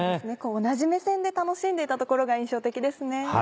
同じ目線で楽しんでいたところが印象的ですね。